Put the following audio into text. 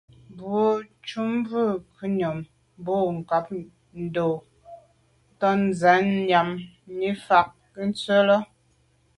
Mbwe njùmbwe ngùnyàm bo ngab Njon tshen nyàm ni fa ke ntsw’a là’.